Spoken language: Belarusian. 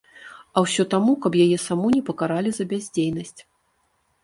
А ўсё таму, каб яе саму не пакаралі за бяздзейнасць.